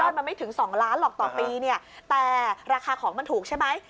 มันไม่ถึง๒ล้านหรอกต่อปีเนี่ยแต่ราคาของมันถูกใช่ไหม